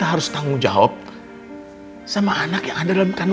aduwa apa enak lo